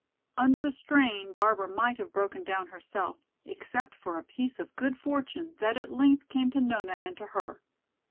Under the strain Barbara might have broken down herself except for a piece of good fortune that at length came to Nona and to her.